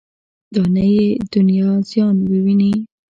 دا نه یې دنیا زیان وویني.